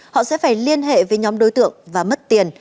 họ sẽ phải liên hệ với nhóm đối tượng và mất tiền